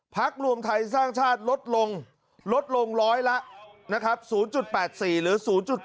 พักรวมไทยสร้างชาติลดลงลดลงร้อยละนะครับ๐๘๔หรือ๐๘